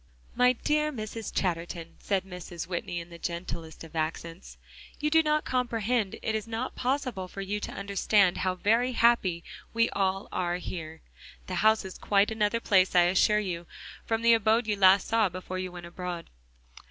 "My dear Mrs. Chatterton," said Mrs. Whitney in the gentlest of accents, "you do not comprehend; it is not possible for you to understand how very happy we all are here. The house is quite another place, I assure you, from the abode you saw last before you went abroad."